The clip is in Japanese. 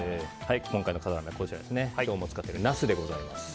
今回の笠原の眼は今日も使っているナスでございます。